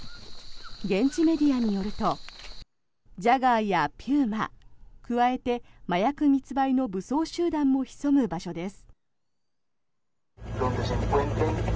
現地メディアによるとジャガーやピューマ加えて麻薬密売の武装集団も潜む場所です。